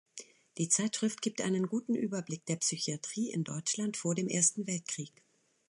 Die Zeitschrift gibt einen guten Überblick der Psychiatrie in Deutschland vor dem Ersten Weltkrieg.